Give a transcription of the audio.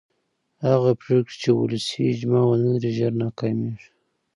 هغه پرېکړې چې ولسي اجماع ونه لري ژر ناکامېږي